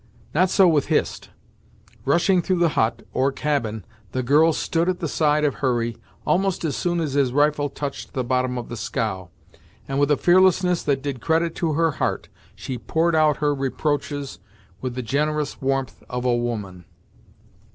Not so with Hist. Rushing through the hut, or cabin, the girl stood at the side of Hurry, almost as soon as his rifle touched the bottom of the scow, and with a fearlessness that did credit to her heart, she poured out her reproaches with the generous warmth of a woman.